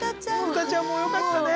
ブタちゃんもよかったね。